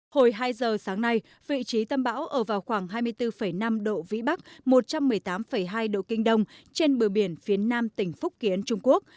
hồi hai giờ sáng nay vị trí tâm bão ở vào khoảng hai mươi bốn năm độ vĩ bắc một trăm một mươi tám hai độ kinh đông trên bờ biển phía nam tỉnh phúc kiến trung quốc